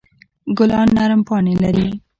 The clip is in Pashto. ګلان نرم پاڼې لري.